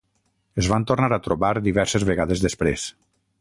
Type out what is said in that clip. Es van tornar a trobar diverses vegades després.